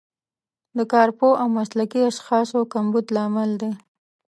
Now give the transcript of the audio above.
د کارپوه او مسلکي اشخاصو کمبود لامل دی.